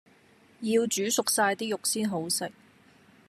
要煮熟晒啲肉先好食